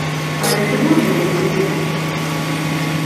Але ці будзе ў іх удзельнічаць?